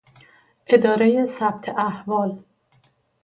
اداره ثبت احوال